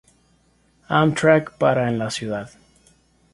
Amtrak para en la ciudad.